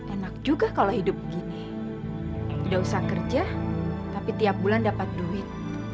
enak juga kalau hidup gini tidak usah kerja tapi tiap bulan dapat duit